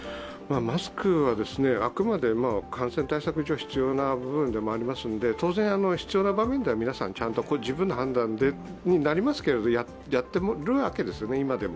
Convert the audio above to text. マスクはあくまで感染対策上、必要な部分でもありますので、当然必要な場面では皆さんちゃんと、個人の判断になりますけれどもやっているわけですね、今でも。